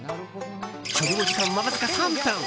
所要時間は、わずか３分。